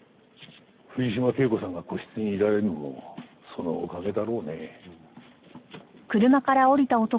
藤島圭子さんが個室にいられるのもそのおかげだろうね。